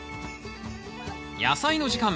「やさいの時間」